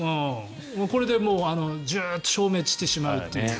これでもう、ジューッと消滅してしまうという。